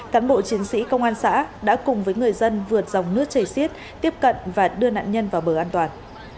cán bộ chiến sĩ công an xã đã cùng với người dân vượt dòng nước chảy xiết tiếp cận và đưa nạn nhân vào bờ an toàn